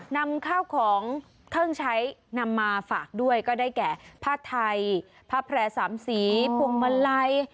นำข้าวของเครื่องใช้นำมาฝากด้วยก็ได้แก่ผ้าไทยผ้าแพร่สามสีพวงมาลัย